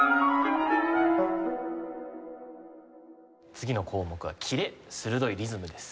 次の項目はキレ鋭いリズムです。